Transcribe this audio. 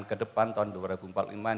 ke depan tahun dua ribu empat puluh lima